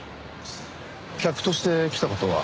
客として来た事は？